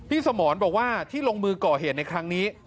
สมรบอกว่าที่ลงมือก่อเหตุในครั้งนี้